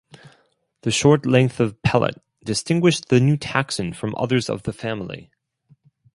The short length of palate distinguished the new taxon from others of the family.